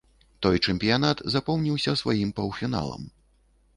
Той чэмпіянат запомніўся сваім паўфіналам.